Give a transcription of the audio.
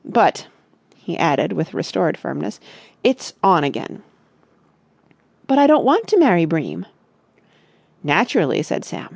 But," he added, with restored firmness, "it's on again!" "But I don't want to marry Bream!" "Naturally!" said Sam.